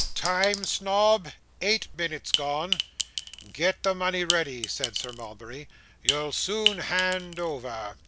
Time, Snobb?' 'Eight minutes gone.' 'Get the money ready,' said Sir Mulberry; 'you'll soon hand over.